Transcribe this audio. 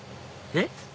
えっ？